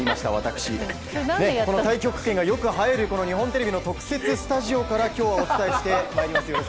この太極拳がよく映える日本テレビの特設スタジオから今日はお伝えしていきます。